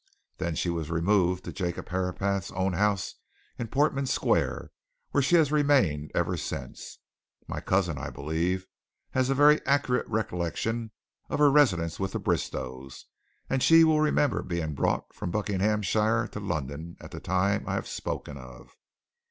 Then she was removed to Jacob Herapath's own house in Portman Square, where she has remained ever since. My cousin, I believe, has a very accurate recollection of her residence with the Bristowes, and she will remember being brought from Buckinghamshire to London at the time I have spoken of."